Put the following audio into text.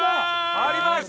ありました！